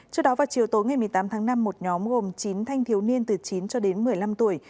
trước đó vào chiều tối ngày một mươi tám tháng năm một nhóm gồm chín thanh thiếu niên từ chín cho đến một mươi năm tuổi